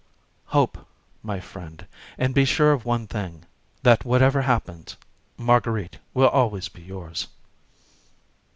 Hope, my friend, and be sure of one thing, that whatever happens, Marguerite will always be yours."